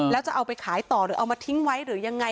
แล้วจะเอาไปขายต่อหรือเอามาทิ้งไว้หรือยังไง